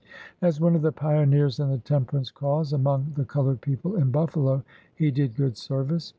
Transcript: As one of the pioneers in the Temperance cause, among the col ored people in Buffalo, he did good service.